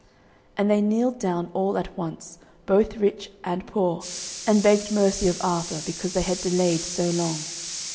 And they kneeled down all at once, both rich and poor, and begged mercy of Arthur, because they had delayed so long.